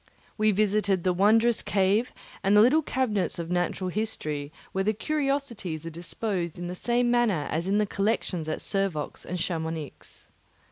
We visited the wondrous cave and the little cabinets of natural history, where the curiosities are disposed in the same manner as in the collections at Servox and Chamounix.